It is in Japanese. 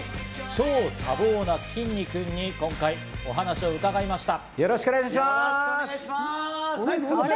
超多忙な、きんに君に今回お話を伺いました。